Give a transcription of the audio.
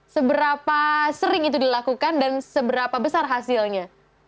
seberapa sering itu dilakukan dan seberapa besar hasilnya